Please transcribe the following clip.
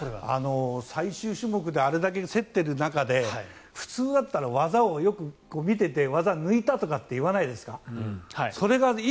最終種目であれだけ競っている中で普通だったら技を抜いたとか言わないですか？